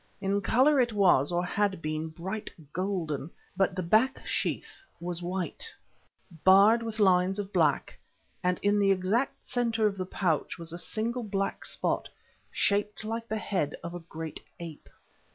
In colour it was, or had been, bright golden, but the back sheath was white, barred with lines of black, and in the exact centre of the pouch was a single black spot shaped like the head of a great ape.